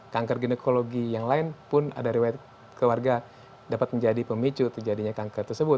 kanker ginekologi yang lain pun ada riwayat keluarga dapat menjadi pemicu terjadinya kanker tersebut